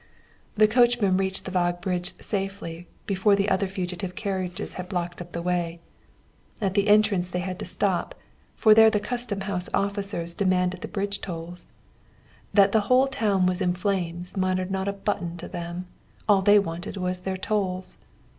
"The coachman reached the Waag bridge safely before the other fugitive carriages had blocked up the way. At the entrance they had to stop, for there the custom house officers demanded the bridge tolls. That the whole town was in flames mattered not a button to them, all they wanted was their tolls.